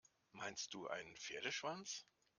Meinst du einen Pferdeschwanz?